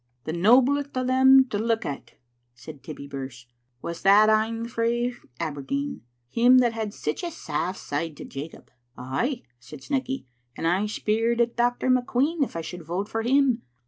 " "The noblest o* them to look at," said Tibbie Birse, " was that ane frae Aberdeen, him that had sic a saft side to Jacob." "Ay," said Snecky, "and I speired at Dr. McQueen if I should vote for him.